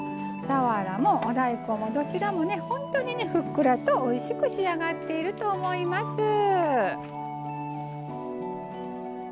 さわらも、お大根も、どちらも本当に、ふっくらとおいしく仕上がっていると思います。